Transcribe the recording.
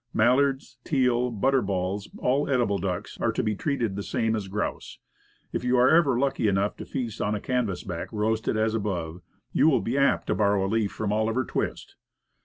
Mallards, teal, butterballs, all edible ducks, are to be treated the same as grouse. If you are ever lucky enough to feast on a canvas back roasted as above, you will be apt to borrow a leaf from Oliver Twist.